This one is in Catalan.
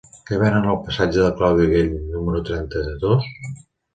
Què venen al passeig de Claudi Güell número trenta-dos?